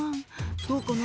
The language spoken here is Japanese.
「どうかな？